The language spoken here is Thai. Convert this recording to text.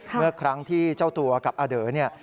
เมื่อครั้งที่เจ้าตัวกับอเด่